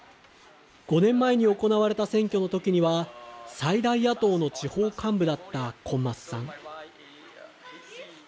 ５年前に行われた選挙のときには、最大野党の地方幹部だったコン・マスさん。